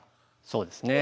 そうですね。